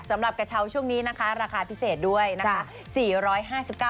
กระเช้าช่วงนี้นะคะราคาพิเศษด้วยนะคะ